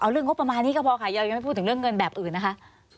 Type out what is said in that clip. เรื่องงบประมาณนี้ก็พอค่ะเรายังไม่พูดถึงเรื่องเงินแบบอื่นนะคะ